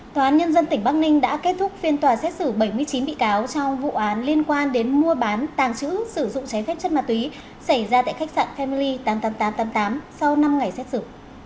tòa án nhân dân tỉnh bắc ninh đã kết thúc phiên tòa xét xử bảy mươi chín bị cáo trong vụ án liên quan đến mua bán tàng trữ sử dụng trái phép chất ma túy xảy ra tại khách sạn kamily tám mươi tám nghìn tám trăm tám mươi tám sau năm ngày xét xử